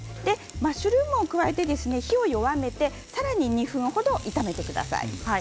マッシュルームを加えて火を弱めてさらに、２分程炒めてください。